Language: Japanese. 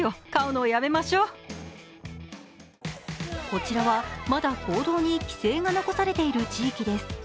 こちらはまだ行動に規制が残されている地域です。